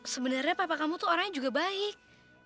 sebenarnya papa kamu tuh orangnya juga baik